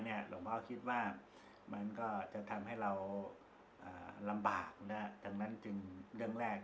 หลวงพ่อคิดว่ามันก็จะทำให้เราลำบากดังนั้นจึงเรื่องแรก